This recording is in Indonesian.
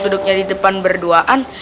duduknya di depan berduaan